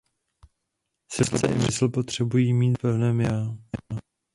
Srdce i mysl potřebují mít základ v pevném „Já“.